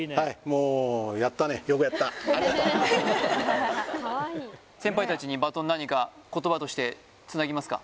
もうやったねありがとう先輩達にバトン何か言葉としてつなぎますか？